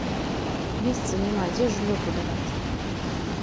Месца няма, дзе жыллё будаваць?